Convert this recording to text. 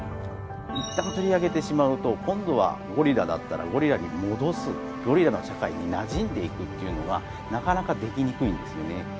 いったん取り上げてしまうと、今度はゴリラだったらゴリラに戻す、ゴリラの社会になじんでいくっていうのが、なかなかできにくいんですよね。